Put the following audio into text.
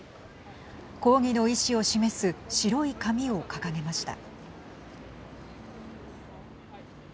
抗議の意思を示す白い紙を掲げました。